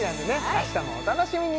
明日もお楽しみに！